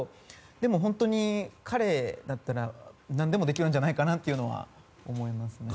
でも本当に彼だったら何でもできるんじゃないかなとは思いますね。